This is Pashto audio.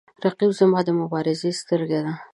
رقیب زما د مبارزې سترګې ده